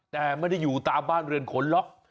แต่ไม่ได้อยู่ตามบ้านเรือนขนล็อก